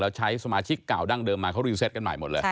แล้วใช้สมาชิกเก่าดั้งเดิมมา